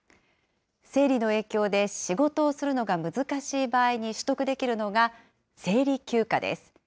生理の影響で仕事をするのが難しい場合に取得できるのが、生理休暇です。